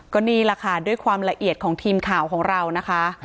ก็นี่แหละค่ะด้วยความละเอียดของทีมข่าวของเรานะคะ